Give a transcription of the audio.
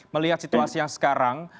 melihat situasi yang sekarang